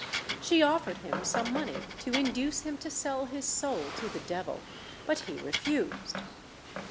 She offered him some money to induce him to sell his soul to the devil; but he refused.